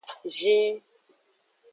Zin.